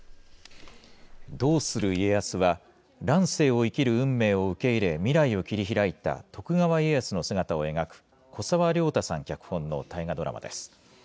どうする家康は、乱世を生きる運命を受け入れ、未来を切り開いた徳川家康の姿を描く、古沢良太さん脚本の大河ドラマです。